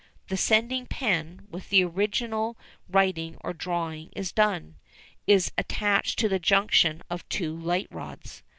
The sending pen, with which the original writing or drawing is done, is attached to the junction of two light rods.